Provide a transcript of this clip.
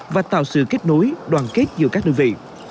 và tạo sự kết nối đoàn kết giữa các đơn vị